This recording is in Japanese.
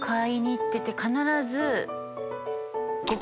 必ず。